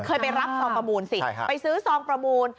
ไปรับซองประมูลสิไปซื้อซองประมูล